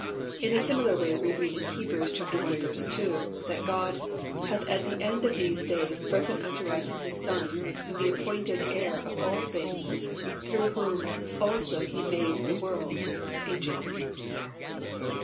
In a similar way we read in Heb. i. 2, that God "hath at the end of these days spoken unto us in His Son, whom He appointed heir of all things, through whom also He made the worlds (ages)."